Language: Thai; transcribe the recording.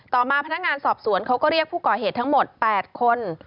ต่อมาพนักงานสอบสวนเขาก็เรียกผู้ก่อเหตุทั้งหมด๘คน